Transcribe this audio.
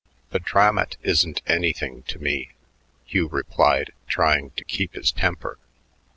"The Dramat isn't anything to me," Hugh replied, trying to keep his temper.